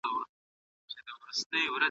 اوبه د بدن او دماغ روغتیا لپاره اړینې دي.